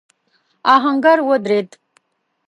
آهنګر ودرېد.